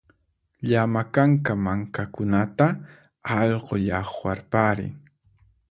Llama kanka mankakunata allqu llaqwarparin